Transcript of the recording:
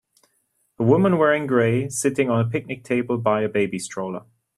A woman wearing gray, sitting on a picnic table by a baby stroller.